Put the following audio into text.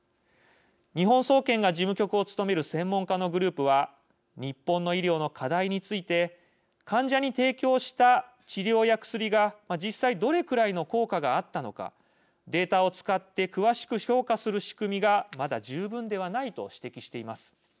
日本総研が事務局を務める専門家のグループは日本の医療の課題について患者に提供した治療や薬が実際どれくらいの効果があったのかデータを使って詳しく評価する仕組みがまだ十分ではないと指摘しています。